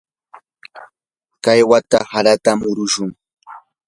kay wata harata murushun.